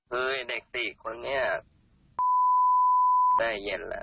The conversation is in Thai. รายลักษณ์นี้ได้เย็นแล้ว